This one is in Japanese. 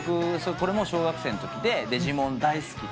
これも小学生のときで『デジモン』大好きで。